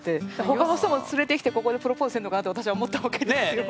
他の人も連れてきてここでプロポーズしてるのかなと私は思ったわけですよ。